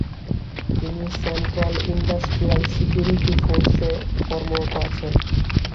তিনি central industrial security ফোর্সে কর্মরত আছেন।